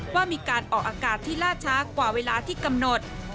ว่ามีการออกอากาศที่ล่าช้ากว่าเวลาที่กำหนด